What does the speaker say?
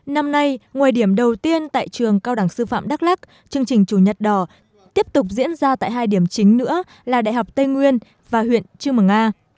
năm nay ngoài điểm đầu tiên tại trường cao đẳng sư phạm đắk lắc chương trình chủ nhật đỏ tiếp tục diễn ra tại hai điểm chính nữa là đại học tây nguyên và huyện chư mờ nga